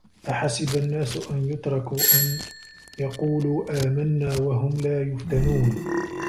أَحَسِبَ النّاسُ أَن يُترَكوا أَن يَقولوا آمَنّا وَهُم لا يُفتَنونَ